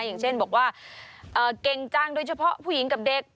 อย่างเช่นบอกว่าเก่งจังโดยเฉพาะผู้หญิงกับเด็ก